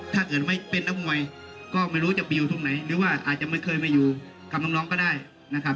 ถ้าเกิดไม่เป็นนักมวยก็ไม่รู้จะไปอยู่ตรงไหนหรือว่าอาจจะไม่เคยมาอยู่กับน้องก็ได้นะครับ